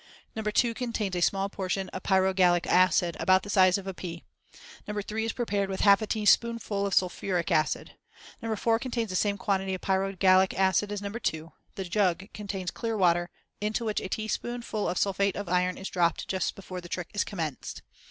No. 2 contains a small portion of pyrogallic acid, about the size of a pea. No. 3 is prepared with half a teaspoonful of sulphuric acid. No. 4 contains the same quantity of pyrogallic acid as No. 2. The jug contains clear water, into which a teaspoonful of sulphate of iron is dropped just before the trick is commenced.